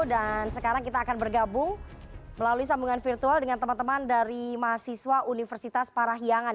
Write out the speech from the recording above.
dan sekarang kita akan bergabung melalui sambungan virtual dengan teman teman dari mahasiswa universitas parahiangan